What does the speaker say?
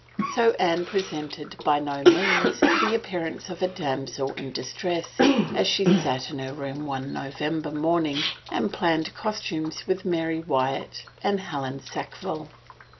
So Anne pre sented by no means the appearance of a damsel in dis tress as she sat in her room one November morning and planned costimies with Mary Wyatt and Helen Sack ville.